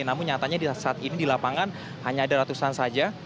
namun nyatanya saat ini di lapangan hanya ada ratusan saja